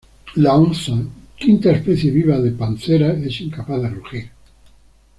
La onza, quinta especie viva de "Panthera" es incapaz de rugir.